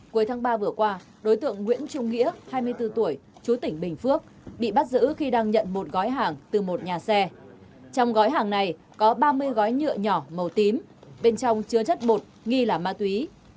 cuối tháng ba vừa qua đối tượng nguyễn trung nghĩa hai mươi bốn tuổi chú tỉnh bình phước bị bắt giữ khi đang nhận một gói hàng từ một nhà xe trong gói hàng này có ba mươi gói nhựa nhỏ màu tím bên trong chứa chất bột nghi là ma túy